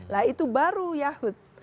lah itu baru yahut